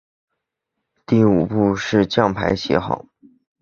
第五步是将牌写好。